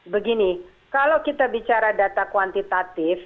begini kalau kita bicara data kuantitatif